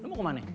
lo mau kemana